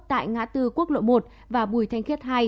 tại ngã tư quốc lộ một và bùi thanh khiết hai